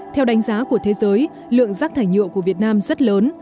theo đánh giá của thế giới lượng rác thải nhựa của việt nam rất lớn